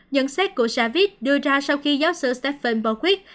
nhận xét của savit đưa ra sau khi giáo sư stephen bolquist